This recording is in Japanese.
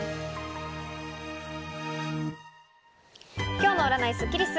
今日の占いスッキリす。